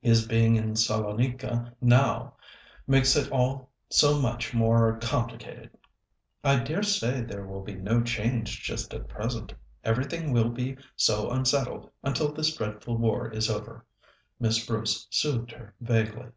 His being in Salonika now makes it all so much more complicated." "I dare say there will be no change just at present. Everything will be so unsettled until this dreadful war is over," Miss Bruce soothed her vaguely.